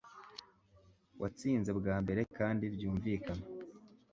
watsinze bwa mbere kandi byunvikana